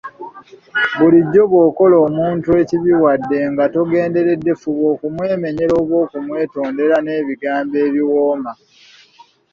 Bulijjo bw’okola omuntu ekibi wadde nga togenderedde fuba okumwemenyera oba okumwetondera n’ebigmbo ebiwooma.